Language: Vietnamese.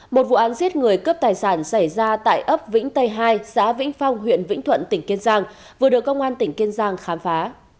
một vụ án giết người cướp tài sản xảy ra tại ấp vĩnh tây hai xã vĩnh phong huyện vĩnh thuận tỉnh kiên giang vừa được công an tỉnh kiên giang khám phá